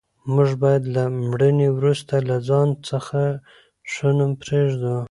موږ باید له مړینې وروسته له ځان څخه ښه نوم پرېږدو.